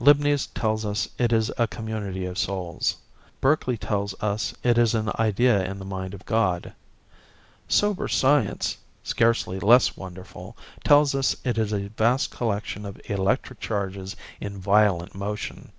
Leibniz tells us it is a community of souls: Berkeley tells us it is an idea in the mind of God; sober science, scarcely less wonderful, tells us it is a vast collection of electric charges in violent motion.